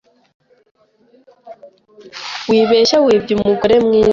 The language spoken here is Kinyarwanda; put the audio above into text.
Wibeshya wibye umugore mwiza